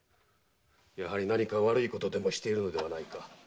やはり何か悪いことでもしているのではないか？